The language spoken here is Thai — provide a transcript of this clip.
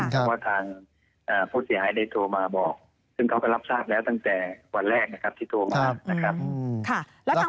เพราะว่าทางผู้เสียหายได้โทรมาบอกซึ่งเขาก็รับทราบแล้วตั้งแต่วันแรกนะครับที่โทรมานะครับ